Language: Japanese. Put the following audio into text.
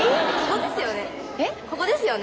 ここですよね？